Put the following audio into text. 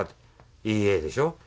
「いいえ」でしょう。